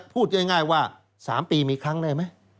พูดง่ายว่า๓ปีมีครั้งได้ไหม